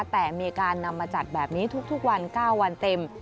แต่มีการนำมาจัดแบบนี้ทุกวัน๙วันเต็ม